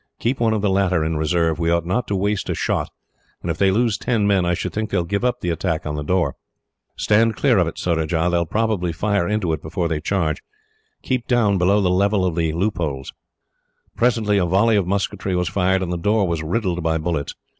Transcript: Keep one of the latter in reserve. We ought not to waste a shot; and if they lose ten men, I should think they will give up the attack on the door. "Stand clear of it, Surajah. They will probably fire into it before they charge keep down below the level of the loopholes." Presently a volley of musketry was fired, and the door was riddled by bullets.